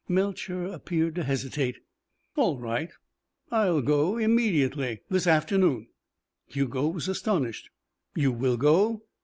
Melcher appeared to hesitate. "All right. I'll go. Immediately. This afternoon." Hugo was astonished. "You will go?"